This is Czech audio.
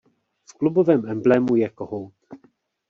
V klubovém emblému je kohout.